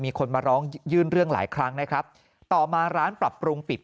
มีคนมาร้องยื่นเรื่องหลายครั้งนะครับต่อมาร้านปรับปรุงปิด